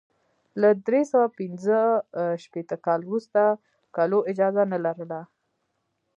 له درې سوه پنځه شپېته کال وروسته کلو اجازه نه لرله.